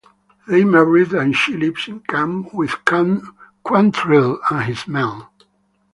They married and she lived in camp with Quantrill and his men.